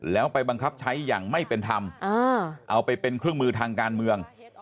แล้วไปบังคับใช้อย่างไม่เป็นธรรมเอาไปเป็นเครื่องมือทางการเมือง